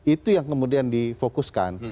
itu yang kemudian di fokuskan